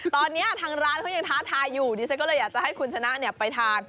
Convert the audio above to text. ตอนนี้ทางร้านเขายังท้าทายอยู่ดิฉันก็เลยอยากจะให้คุณชนะไปทาน